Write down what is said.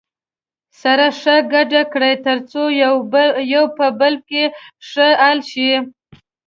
سره ښه ګډ کړئ تر څو یو په بل کې ښه حل شي.